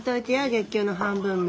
月給の半分も。